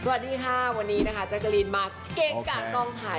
สวัสดีค่ะวันนี้นะคะจั๊กรีนมาเก๊กกากล้องถ่าย